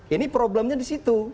ini problemnya di situ